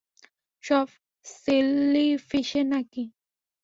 সব শেলিফিশে নাকি?